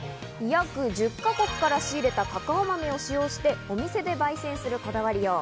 約１０か国から仕入れたカカオ豆を使用して、お店で焙煎するこだわりよう。